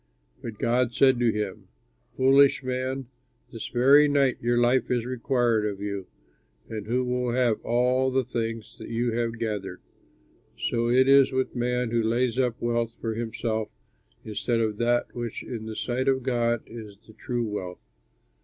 "But God said to him, 'Foolish man! This very night your life is required of you, and who will have all the things that you have gathered?' So it is with the man who lays up wealth for himself instead of that which in the sight of God is the true wealth.